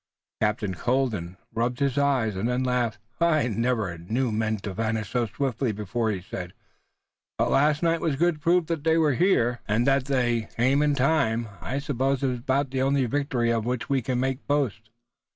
Captain Colden rubbed his eyes and then laughed. "I never knew men to vanish so swiftly before," he said, "but last night was good proof that they were here, and that they came in time. I suppose it's about the only victory of which we can make boast."